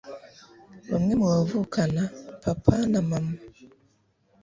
bamwe mu bavukana, mama, na papa